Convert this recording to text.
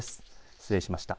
失礼しました。